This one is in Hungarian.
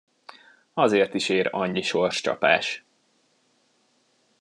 Azért is ér annyi sorscsapás.